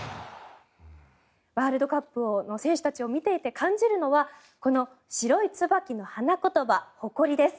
ワールドカップの選手たちを見ていて感じるのはこの白いツバキの花言葉誇りです。